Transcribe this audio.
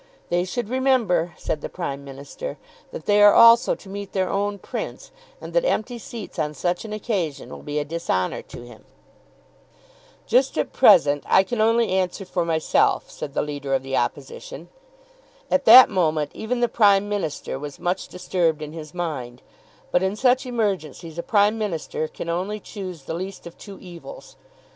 "They should remember," said the Prime Minister, "that they are also to meet their own Prince, and that empty seats on such an occasion will be a dishonour to him." "Just at present I can only answer for myself," said the leader of the Opposition. At that moment even the Prime Minister was much disturbed in his mind; but in such emergencies a Prime Minister can only choose the least of two evils.